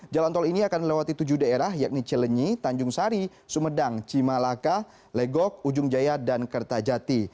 jalan tol ini akan melewati tujuh daerah yakni cilenyi tanjung sari sumedang cimalaka legok ujung jaya dan kertajati